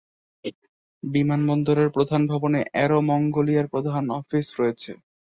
বিমানবন্দরের প্রধান ভবনে অ্যারো মঙ্গোলিয়ার প্রধান অফিস রয়েছে।